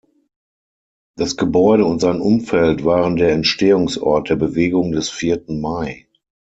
Das Gebäude und sein Umfeld waren der Entstehungsort der Bewegung des vierten Mai.